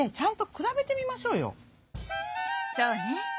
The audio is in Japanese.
そうね。